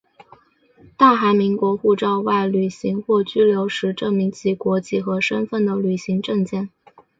大韩民国护照外旅行或居留时证明其国籍和身份的旅行证件。